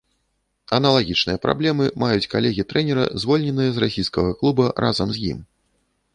Аналагічныя праблемы маюць калегі трэнера, звольненыя з расійскага клуба разам з ім.